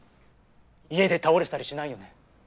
家で倒れてたりしないよね。